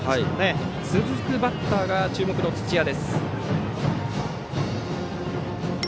続くバッター、注目の土屋。